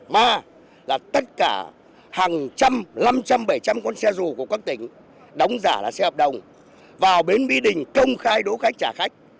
mà là tất cả hàng trăm lăm trăm bảy trăm con xe dù của các tỉnh đóng giả là xe hợp đồng vào bến mỹ đình công khai đối khách trả khách